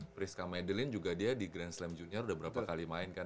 priska medelin juga dia di grand slam junior udah berapa kali main kan